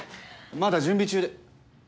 まだ準備中で。